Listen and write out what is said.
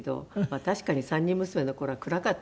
確かに三人娘の頃は暗かったんですけどね。